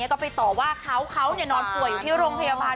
ก็ไปต่อว่าเขาเขานอนป่วยอยู่ที่โรงพยาบาล